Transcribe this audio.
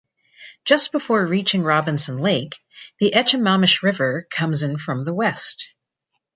Just before reaching Robinson Lake the Echimamish River comes in from the west.